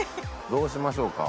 どうしましょうか？